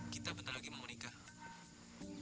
kita bentar lagi mau menikah